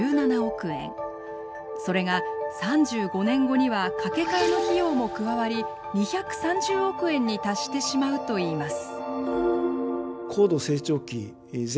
それが３５年後には架け替えの費用も加わり２３０億円に達してしまうといいます。